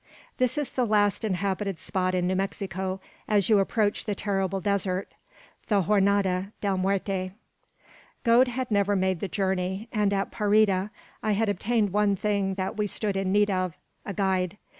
This is the last inhabited spot in New Mexico, as you approach the terrible desert, the Jornada del Muerte. Gode had never made the journey, and at Parida I had obtained one thing that we stood in need of, a guide.